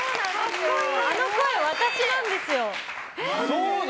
あの声、私なんですよ。